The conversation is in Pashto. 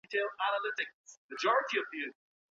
ولي یوازي د لیاقت په درلودلو سره لویې موخي نه ترلاسه کیږي؟